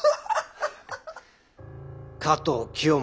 加藤清正